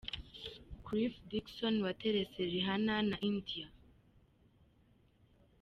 Cliff Dixon waterese Rihanna na India.